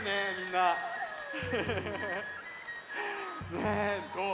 ねえどう？